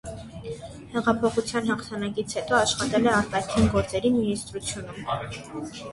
Հեղափոխության հաղթանակից հետո աշխատել է արտաքին գործերի մինիստրությունում։